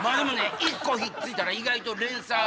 １個ひっついたら意外と連鎖。